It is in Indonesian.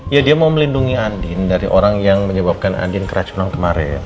ya dia mau melindungi andin dari orang yang menyebabkan andin keracunan kemarin